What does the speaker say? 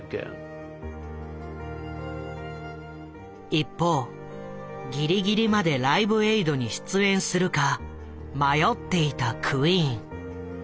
一方ギリギリまで「ライブエイド」に出演するか迷っていたクイーン。